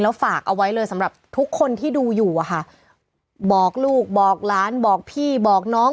ฝากเอาไว้เลยสำหรับทุกคนที่ดูอยู่อะค่ะบอกลูกบอกหลานบอกพี่บอกน้อง